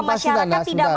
bahwa masyarakat tidak mau